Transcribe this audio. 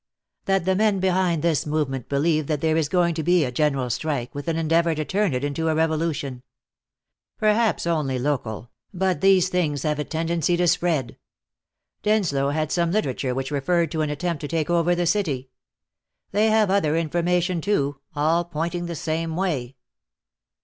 "That the men behind this movement believe that there is going to be a general strike, with an endeavor to turn it into a revolution. Perhaps only local, but these things have a tendency to spread. Denslow had some literature which referred to an attempt to take over the city. They have other information, too, all pointing the same way."